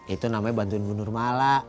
itu namanya bantuin bu nur mala